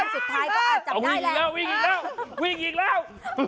สุดท้ายก็อาจจำได้แล้ว